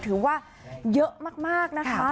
ถือว่าเยอะมากนะคะ